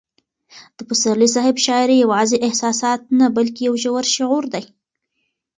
د پسرلي صاحب شاعري یوازې احساسات نه بلکې یو ژور شعور دی.